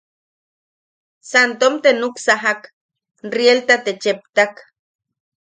Santom te nuksajak, rielta te a cheptak.